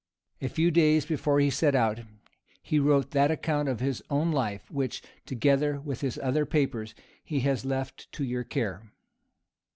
A few days before he set out, he wrote that account of his own life, which, together with his other papers, he has left to your care.